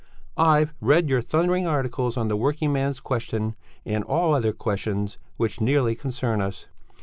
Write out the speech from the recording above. "I've read your thundering articles on the working man's question, and all other questions which nearly concern us.